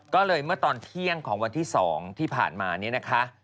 ก็เลยเมื่อตอนเที่ยงของวันที่๒ที่ผ่านมาเนี่ยนะคะ